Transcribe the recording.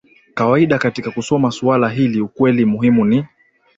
kawaida katika kusoma suala hili Ukweli muhimu ni